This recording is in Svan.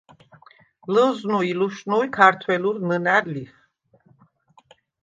ლჷზნუ ი ლუშნუი̄ ქართველურ ნჷნა̈რ ლიხ.